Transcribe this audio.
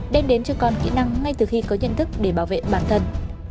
đem đến cho con kỹ năng ngay từ khi có nhận thức để bảo vệ bản thân